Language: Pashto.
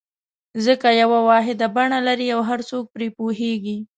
ځکه یوه واحده بڼه لري او هر څوک پرې پوهېږي.